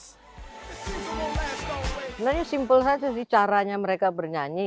sebenarnya simpel saja sih caranya mereka bernyanyi